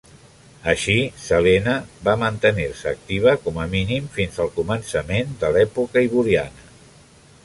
Així, Selene va mantenir-se activa com a mínim fins al començament de l'època Hyboriana.